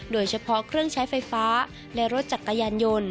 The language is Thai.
โดยเฉพาะเครื่องใช้ไฟฟ้าและรถจักรยานยนต์